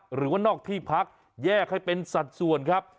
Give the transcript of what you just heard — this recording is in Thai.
หรือว่านอกที่พักแยกให้เป็นสัดส่วนครับ